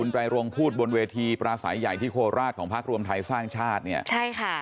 ไรโรงพูดบนเวทีปราศัยใหญ่ที่โคราชของพักรวมไทยสร้างชาติเนี่ยใช่ค่ะ